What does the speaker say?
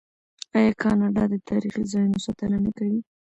آیا کاناډا د تاریخي ځایونو ساتنه نه کوي؟